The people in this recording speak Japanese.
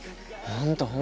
本当。